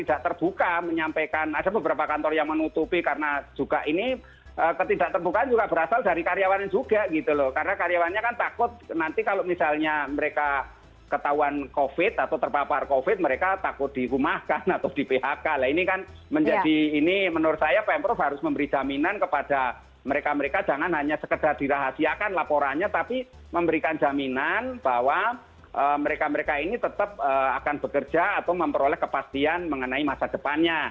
ketidak terbuka menyampaikan ada beberapa kantor yang menutupi karena juga ini ketidak terbuka juga berasal dari karyawan juga gitu loh karena karyawannya kan takut nanti kalau misalnya mereka ketahuan covid atau terpapar covid mereka takut di rumahkan atau di phk lah ini kan menjadi ini menurut saya pemprov harus memberi jaminan kepada mereka mereka jangan hanya sekedar dirahasiakan laporannya tapi memberikan jaminan bahwa mereka mereka ini tetap akan bekerja atau memperoleh kepastian mengenai ini